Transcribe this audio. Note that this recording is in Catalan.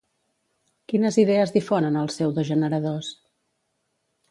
Quines idees difonen els pseudo-generadors?